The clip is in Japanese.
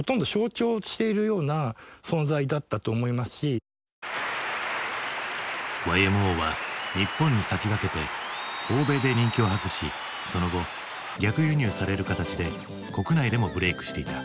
７０年代の後半ぐらいから８０年代にかけてＹＭＯは日本に先駆けて欧米で人気を博しその後逆輸入される形で国内でもブレイクしていた。